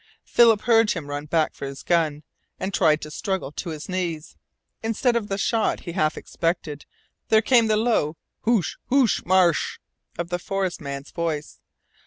Philip heard him run back for his gun, and tried to struggle to his knees. Instead of the shot he half expected there came the low "Hoosh hoosh marche!" of the forest man's voice.